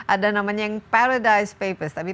ada namanya yang paradise papers tapi